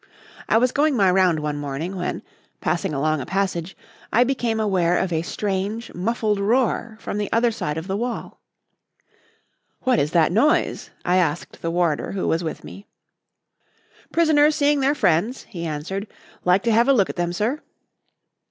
I was going my round one morning when, passing along a passage, I became aware of a strange, muffled roar from the other side of the wall. "'What is that noise?' I asked the warder who was with me. "'Prisoners seeing their friends,' he answered. 'Like to have a look at them, sir?'